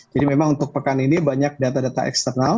jadi memang untuk pekan ini banyak data data eksternal